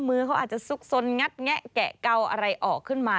มือเขาอาจจะซุกสนงัดแงะแกะเกาอะไรออกขึ้นมา